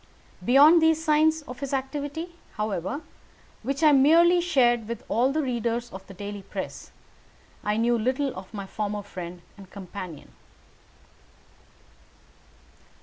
Beyond these signs of his activity, however, which I merely shared with all the readers of the daily press, I knew little of my former friend and companion.